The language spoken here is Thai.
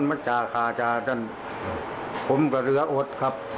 วายประตูแมนตั๋ว